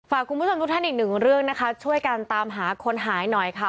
คุณผู้ชมทุกท่านอีกหนึ่งเรื่องนะคะช่วยกันตามหาคนหายหน่อยค่ะ